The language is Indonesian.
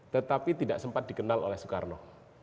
tetapi tidak sempat dikenal oleh soekarno